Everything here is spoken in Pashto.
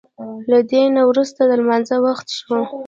له دې نه وروسته د لمانځه وخت شو.